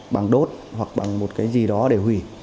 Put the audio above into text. bằng đốt hoặc bằng một cái gì đó để hủy